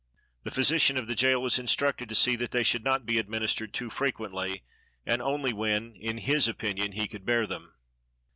The physician of the jail was instructed to see that they should not be administered too frequently, and only when, in his opinion, he could bear them.